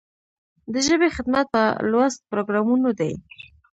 د ژبې خدمت په لوست پروګرامونو دی.